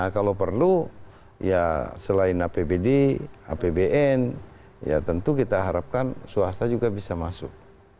kalau perlu ya selain apbd apbn ya tentu kita harapkan swasta juga bisa masuk